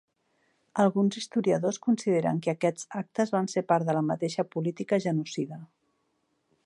Alguns historiadors consideren que aquests actes van ser part de la mateixa política genocida.